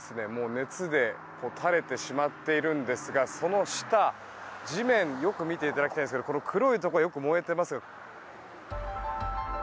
熱で垂れてしまっているんですがその下、地面よく見ていただきたいんですけど黒いところがよく燃えています。